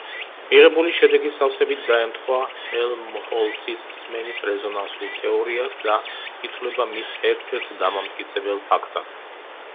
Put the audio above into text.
მიღებული შედეგი სავსებით დაემთხვა ჰელმჰოლცის სმენის რეზონანსულ თეორიას და ითვლება მის ერთ-ერთ დამამტკიცებელ ფაქტად.